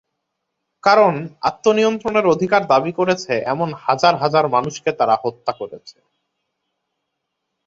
কারণ, আত্মনিয়ন্ত্রণের অধিকার দাবি করেছে এমন হাজার হাজার মানুষকে তারা হত্যা করেছে।